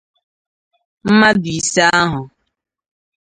mmadụ ise ahụ